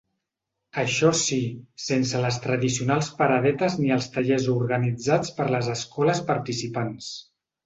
Això sí, sense les tradicionals paradetes ni els tallers organitzats per les escoles participants.